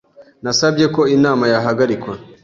Nasabye ko inama yahagarikwa.